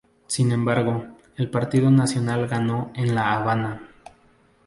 Sin embargo, el Partido Nacional ganó en La Habana.